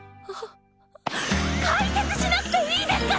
解説しなくていいですから！